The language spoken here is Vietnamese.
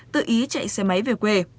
tự ý chạy xe máy về quê